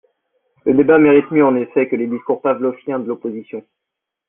Le débat mérite mieux en effet que les discours pavloviens de l’opposition.